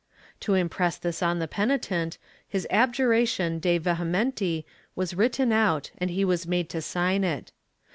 To impress this on the penitent, his abjuration de vehementi was written out and he was made to sign it.